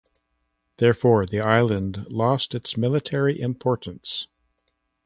Thereafter, the island lost its military importance.